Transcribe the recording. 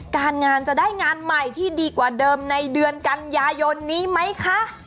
การงานจะได้งานใหม่ที่ดีกว่าเดิมในเดือนกันยายนนี้ไหมคะ